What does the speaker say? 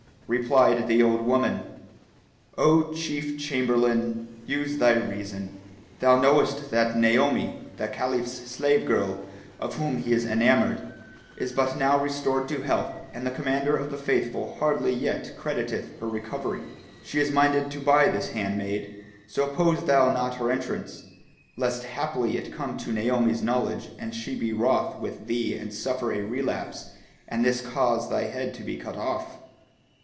Replied the old woman, "O Chief Chamberlain, use thy reason. Thou knowest that Naomi, the Caliph's slave girl, of whom he is enamoured, is but now restored to health and the Commander of the Faithful hardly yet crediteth her recovery. She is minded to buy this hand maid; so oppose thou not her entrance, lest haply it come to Naomi's knowledge and she be wroth with thee and suffer a relapse and this cause thy head to be cut off."